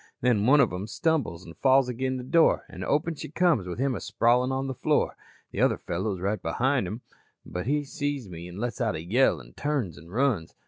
"Then one of 'em stumbles an' falls agin the door an' open she comes with him a sprawlin' on the floor. The other fellow is right behin' him but he sees me an' lets out a yell an' turns an' runs.